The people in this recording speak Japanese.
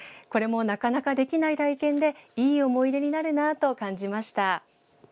これも、なかなかできない体験でいい思い出になるなと感じました。